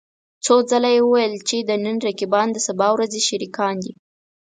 څو ځله يې وويل چې د نن رقيبان د سبا ورځې شريکان دي.